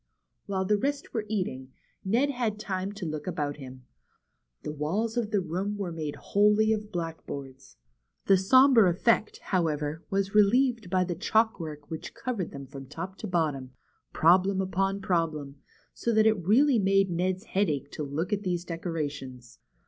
While the rest were eating, Ned had time to look about him. The walls of the room were made wholly of blackboards. The sombre effect, however, was re lieved by the chalk work which covered them from top to bottom, problem upon problem, so that it really made Ned's head ache to look at these decorations.